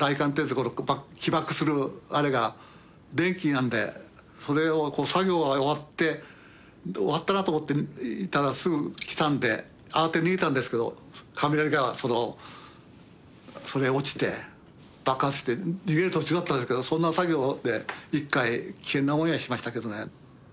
この起爆するあれが電気なんでそれをこう作業は終わって終わったなと思っていたらすぐ来たんで慌てて逃げたんですけど雷がそのそれへ落ちて爆発して逃げる途中だったんですけどそんな作業で１回危険な思いはしましたけどね。